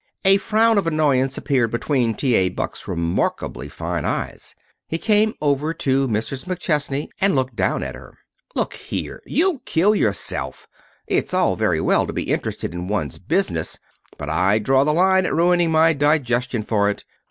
A frown of annoyance appeared between T. A. Buck's remarkably fine eyes. He came over to Mrs. McChesney and looked down at her. "Look here, you'll kill yourself. It's all very well to be interested in one's business, but I draw the line at ruining my digestion for it.